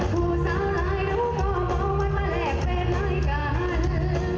ผู้สาวร้ายดูโภโภมันมาและเป็นร้ายการสิ่งเขาทำแบบแดง